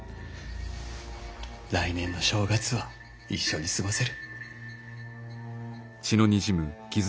来年の正月は一緒に過ごせる。